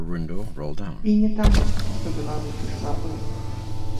І не таму, што беларусы слабыя.